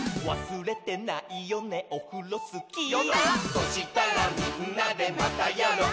「そしたらみんなで『またやろう！』」